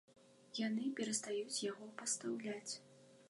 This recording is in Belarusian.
Яны перастаюць яго пастаўляць.